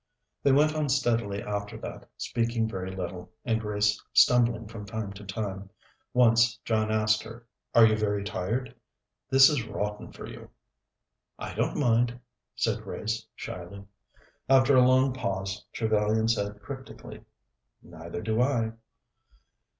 They went on steadily after that, speaking very little, and Grace stumbling from time to time. Once John asked her: "Are you very tired? This is rotten for you." "I don't mind," said Grace shyly. After a long pause, Trevellyan said cryptically: "Neither do I."